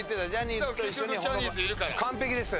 完璧です。